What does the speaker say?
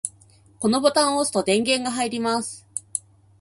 このボタンを押すと電源が入ります。